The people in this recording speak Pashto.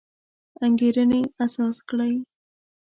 انګېرنې اساس کړی.